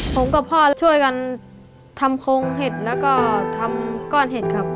ผมกับพ่อช่วยกันทำโครงเห็ดแล้วก็ทำก้อนเห็ดครับ